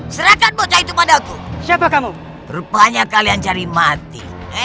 serahkan bocah itu padaku siapa kamu rupanya kalian cari mati